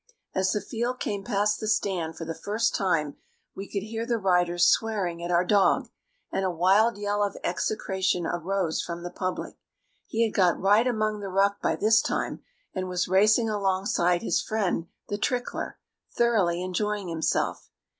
As the field came past the stand the first time we could hear the riders swearing at our dog, and a wild yell of execration arose from the public. He had got right among the ruck by this time, and was racing alongside his friend The Trickler, thoroughly enjoying himself.